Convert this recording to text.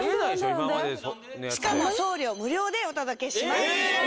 今まででしかも送料無料でお届けしますええ！